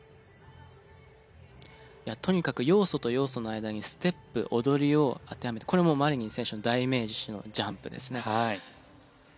とにかく要素と要素の間にステップ踊りを当てはめてこれもうマリニン選手の代名詞のジャンプですね。